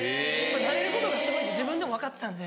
なれることがすごいって自分でも分かってたんで。